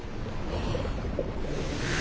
ああ！